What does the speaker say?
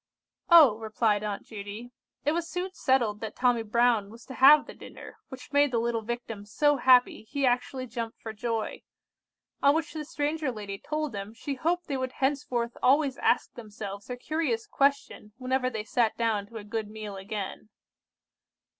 "Oh," replied Aunt Judy, "it was soon settled that Tommy Brown was to have the dinner, which made the little Victim so happy, he actually jumped for joy. On which the stranger lady told them she hoped they would henceforth always ask themselves her curious question whenever they sat down to a good meal again.